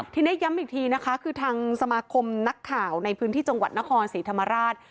ทีนี้ย้ำอีกทีนะคะคือทางสมาคมนักข่าวในพื้นที่จังหวัดนครศรีธรรมราช